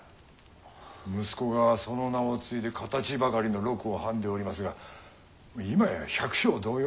息子がその名を継いで形ばかりの禄をはんでおりますが今や百姓同様。